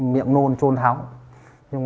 miệng nôn trôn tháo